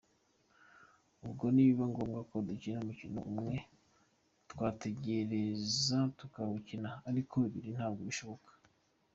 Ubwo nibiba ngombwa ko dukina umukino umwe wo twagerageza tukawukina ariko ibiri ntabwo bishoboka.